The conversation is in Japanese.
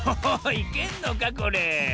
いけんのかこれ？